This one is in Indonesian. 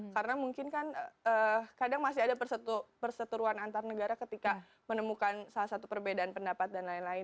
karena mungkin kan kadang masih ada perseturuan antar negara ketika menemukan salah satu perbedaan pendapat dan lain lain